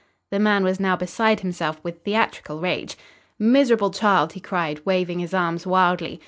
The man was now beside himself with theatrical rage. "Miserable child!" he cried, waving his arms wildly.